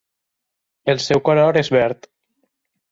El seu color és el verd.